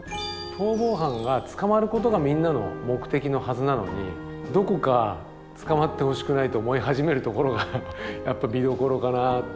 逃亡犯が捕まることがみんなの目的のはずなのにどこか捕まってほしくないと思い始めるところが見どころかな。